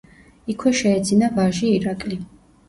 იქვე შეეძინა ვაჟი ირაკლი.